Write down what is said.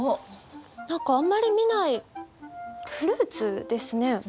何かあんまり見ないフルーツですね。